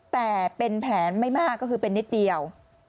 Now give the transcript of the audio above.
แต่เป็นแผลไม่มากก็คือเป็นนิดเดียว